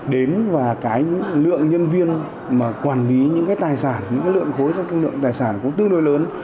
đếm vào cái lượng nhân viên mà quản lý những cái tài sản những lượng khối các lượng tài sản cũng tương đối lớn